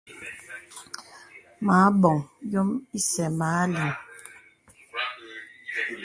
Mə̀ abɔ̀ŋ yɔ̀m ìsɛ̂ mə a lìŋ.